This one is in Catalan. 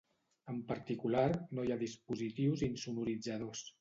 En particular, no hi ha dispositius insonoritzadors.